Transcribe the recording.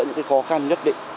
những cái khó khăn nhất định